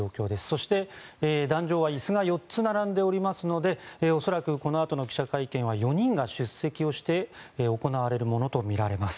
そして、檀上は椅子が４つ並んでおりますので恐らく、このあとの記者会見は４人が出席して行われるものとみられます。